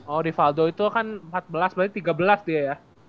oh di faldo itu kan empat belas berarti tiga belas dia ya